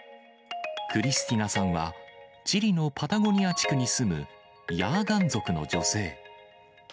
クリスティナさんは、チリのパタゴニア地区に住むヤーガン族の女性。